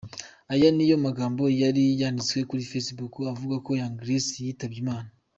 Aya ni yo magambo yari yanditswe kuri facebook avuga ko Young Grace yitabye Imana.